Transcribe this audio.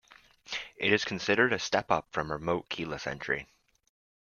It is considered a step up from remote keyless entry.